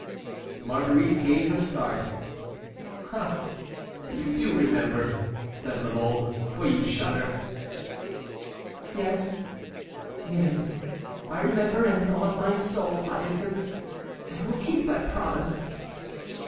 Marguerite gave a start. "Ah! you do remember," said La Mole, "for you shudder." "Yes, yes, I remember, and on my soul, Hyacinthe, I will keep that promise."